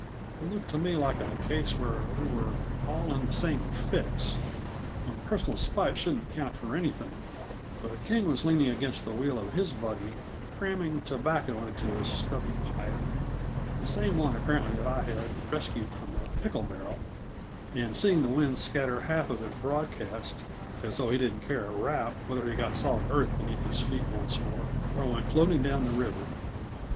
It looked to me like a case where we were all in the same fix, and personal spite shouldn't count for anything, but King was leaning against the wheel of his buggy, cramming tobacco into his stubby pipe the same one apparently that I had rescued from the pickle barrel and, seeing the wind scatter half of it broadcast, as though he didn't care a rap whether he got solid earth beneath his feet once more, or went floating down the river.